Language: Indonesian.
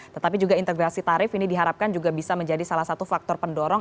tetapi juga integrasi tarif ini diharapkan juga bisa menjadi salah satu faktor pendorong